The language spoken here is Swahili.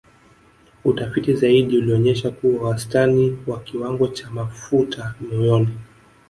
Utafiti zaidi ulionyesha kuwa wastani wa kiwango cha mafuta moyoni